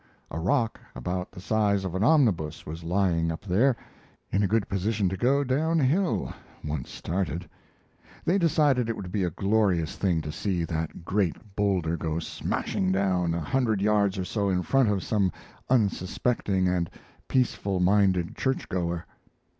A rock about the size of an omnibus was lying up there, in a good position to go down hill, once, started. They decided it would be a glorious thing to see that great boulder go smashing down, a hundred yards or so in front of some unsuspecting and peaceful minded church goer.